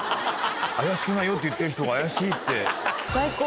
怪しくないよって言ってる人が「ａｙａｓｈｉｉ」って。